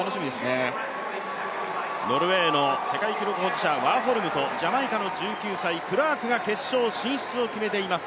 ノルウェーの世界記録保持者ワーホルムとジャマイカの１９歳、クラークが決勝進出を決めています。